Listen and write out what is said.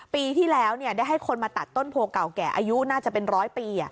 ปีที่แล้วได้ให้คนมาตัดต้นโพเก่าแก่อายุน่าจะเป็นร้อยปี